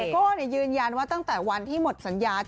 โก้ยืนยันว่าตั้งแต่วันที่หมดสัญญา